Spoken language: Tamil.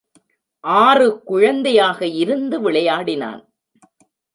ஆறு குழந்தையாக இருந்து விளையாடினான்.